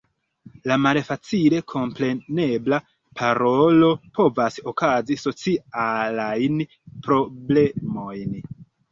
La malfacile komprenebla parolo povas okazi socialajn problemojn.